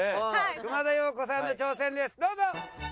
熊田曜子さんの挑戦ですどうぞ。